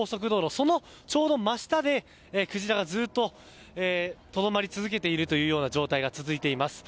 そのちょうど真下でクジラがずっととどまり続けているというような状態が続いています。